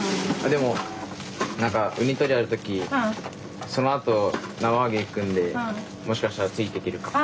でも何かウニ取りある時そのあと縄上げ行くんでもしかしたらついていけるかも。